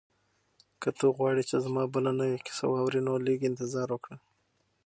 که ته غواړې چې زما بله نوې کیسه واورې نو لږ انتظار وکړه.